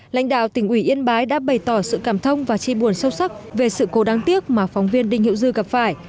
lãnh đạo tỉnh ủy yên bái đã bày tỏ sự cảm thông và chi buồn sâu sắc về sự cố đáng tiếc mà phóng viên đinh hiệu dư gặp phải